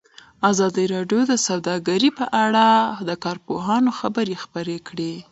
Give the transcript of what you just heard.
ازادي راډیو د سوداګري په اړه د کارپوهانو خبرې خپرې کړي.